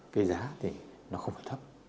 cái giá thì nó không phải thấp